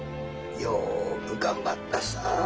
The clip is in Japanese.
よく頑張ったさぁ。